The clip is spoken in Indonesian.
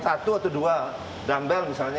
satu atau dua dumbel misalnya